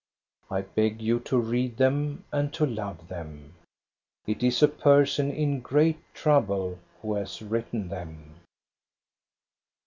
I beg you to read them and to love them. It is a person in great trouble who has written them.